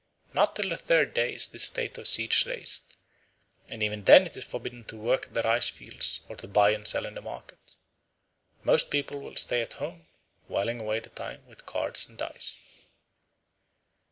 Not till the third day is this state of siege raised, and even then it is forbidden to work at the rice fields or to buy and sell in the market. Most people still stay at home, whiling away the time with cards and dice.